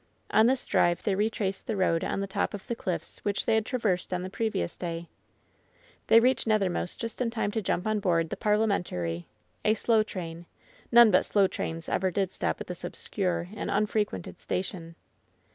On this drive they retraced the road on the top of the cliffs which they had traversed on the previous day. They reached Nethermost just in time to jump on board the "parliamentary," a slow train — none but slow trains ever did stop at this obscure and unfrequented station.